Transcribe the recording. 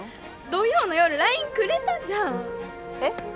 土曜の夜ＬＩＮＥくれたじゃんえっ？